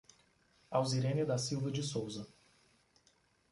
Auzirene da Silva de Souza